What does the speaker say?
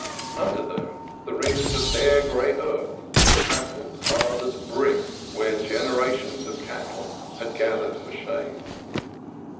Under them the rings of bare gray earth were tramped hard as brick where gen erations of cattle had gathered for shade.